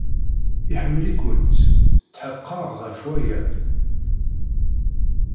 Iḥemmel-ikent. Tḥeqqeɣ ɣef waya.